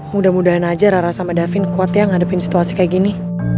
mudah mudahan aja rara sama davin kuat ya ngadepin situasi kayak gini